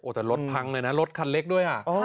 แต่รถพังเลยนะรถคันเล็กด้วย